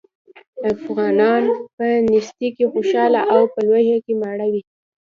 افغانان په نېستۍ کې خوشاله او په لوږه کې ماړه وو.